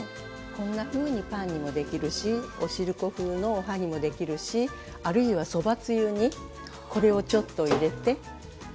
こんなふうにパンにもできるしおしるこ風のおはぎもできるしあるいはそばつゆにこれをちょっと入れて。